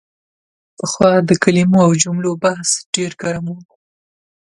پخوا د کلمو او جملو بحث ډېر ګرم و.